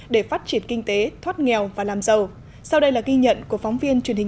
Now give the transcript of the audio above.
để phát triển kinh tế thoát nghèo và làm giàu sau đây là ghi nhận của phóng viên truyền hình